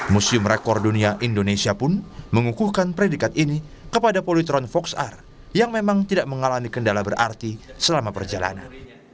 museum rekor dunia indonesia pun mengukuhkan predikat ini kepada polytron fox air yang memang tidak mengalami kendala berarti selama perjalanan